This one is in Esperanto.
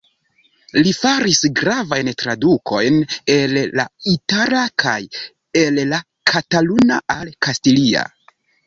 Li faris gravajn tradukojn el la itala kaj el la kataluna al kastilia.